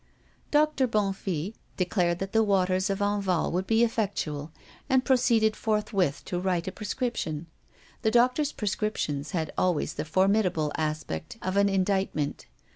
Doctor Bonnefille declared that the waters of Enval would be effectual, and proceeded forthwith to write a prescription. The doctor's prescriptions had always the formidable aspect of an indictment.